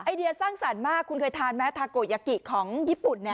เดียสร้างสรรค์มากคุณเคยทานไหมทาโกยากิของญี่ปุ่น